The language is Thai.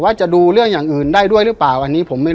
ว่าจะดูเรื่องอย่างอื่นได้ด้วยหรือเปล่าอันนี้ผมไม่รู้